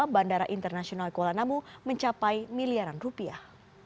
bandara internasional kuala namu mencapai miliaran rupiah